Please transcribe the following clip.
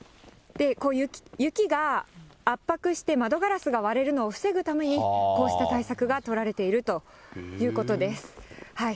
雪が圧迫して窓ガラスが割れるのを防ぐために、こうした対策が取られているということです。